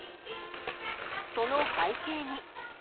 その背景に。